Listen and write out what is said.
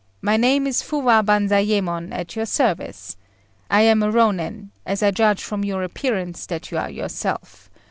My name is Fuwa Banzayémon at your service. I am a Rônin, as I judge from your appearance that you are yourself.